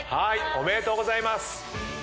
おめでとうございます。